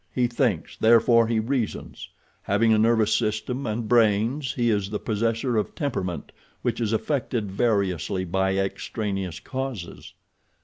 He thinks, therefore he reasons. Having a nervous system and brains he is the possessor of temperament, which is affected variously by extraneous causes.